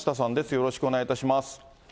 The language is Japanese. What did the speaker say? よろしくお願いします。